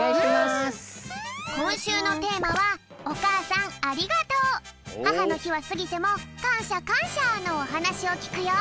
こんしゅうのテーマはははのひはすぎてもかんしゃかんしゃのおはなしをきくよ。